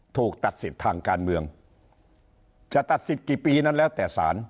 ถูกตัดสิทธิ์ทางการเมืองจะตัดสิทธิกี่ปีนั้นแล้วแต่สาร